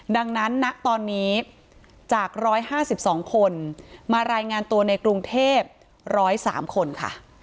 ดังนั้นณตอนนี้จาก๑๕๒คนมารายงานตัวในกรุงเทพ๑๐๓คนค่ะ